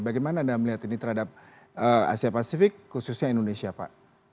bagaimana anda melihat ini terhadap asia pasifik khususnya indonesia pak